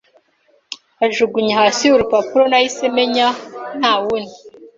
Ajugunya hasi urupapuro nahise menya - ntawundi